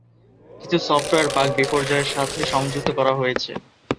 কিছু software bug বিপর্যয়ের সাথে সংযুক্ত করা হয়েছে।